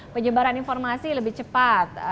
persebaran informasi lebih cepat